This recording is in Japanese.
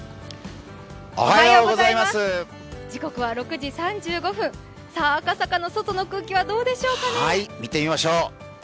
時刻は６時３５分、さあ、赤坂の外の空気はどうでしょうかね。